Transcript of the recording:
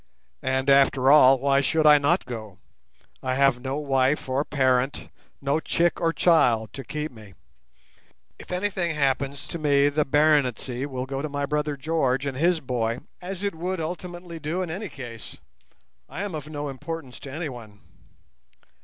"And, after all, why should I not go? I have no wife or parent, no chick or child to keep me. If anything happens to me the baronetcy will go to my brother George and his boy, as it would ultimately do in any case. I am of no importance to any one."